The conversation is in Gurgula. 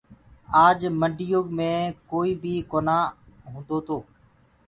آج منڊيو مي ڪوئي بي ڪونآ هوندو تو۔